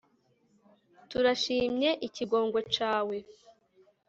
turashimy'ikigongwe cawe